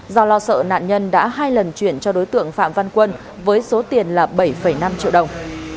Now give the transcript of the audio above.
do lo sợ nạn nhân đã hai lần chuyển cho đối tượng phạm văn quân với số tiền là bảy năm triệu đồng